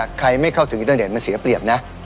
ใครไม่เข้าถึงอินเตอร์เน็ตมันเสียเปรียบนะ